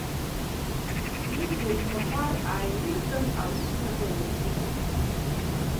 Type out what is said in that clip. Дигәа имахәар ааилиҳәан, аус напы аиркит.